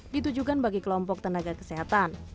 ditujukan bagi kelompok tenaga kesehatan